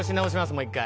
もう一回。